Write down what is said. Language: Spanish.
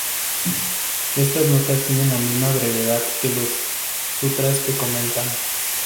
Estas notas tienen la misma brevedad que los sutras que comentan.